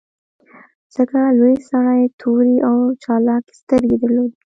ځکه لوی سړي تورې او چالاکې سترګې درلودې